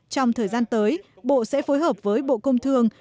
trong thời gian tới bộ sẽ phối hợp với bộ công thương